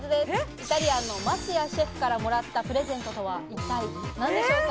イタリアンの桝谷シェフからもらったプレゼントとは一体何でしょうか？